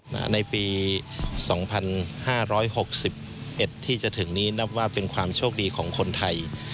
ในปี๒๕๖๑ที่จะถึงนี้นับว่าเป็นความโชคดีของคนไทย